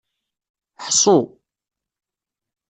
Ḥṣu.